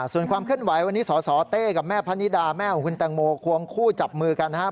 ส่วนความเคลื่อนไหววันนี้สสเต้กับแม่พะนิดาแม่ของคุณแตงโมควงคู่จับมือกันนะครับ